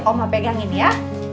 oma pegangin ya